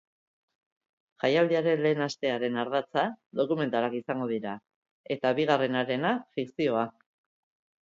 Jaialdiaren lehen astearen ardatza dokumentalak izango dira, eta bigarrenarena, fikzioa.